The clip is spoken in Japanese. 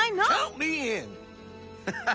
ハハハ！